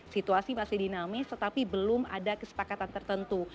situasi masih dinamis tetapi belum ada kesepakatan tertentu